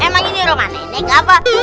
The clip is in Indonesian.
emang ini rumah nenek apa